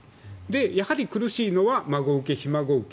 やはり苦しいのは孫請け、ひ孫請け。